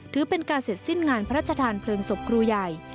ถือเป็นการเสร็จสิ้นงานพระราชทานเพลิงศพครูใหญ่